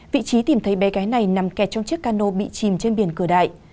vị trí tìm thấy bé gái này nằm kẹt trong chiếc cano bị chìm trên biển cửa đại